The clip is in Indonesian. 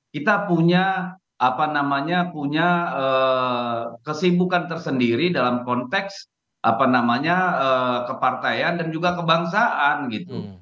kita punya apa namanya punya kesibukan tersendiri dalam konteks apa namanya kepartaian dan juga kebangsaan gitu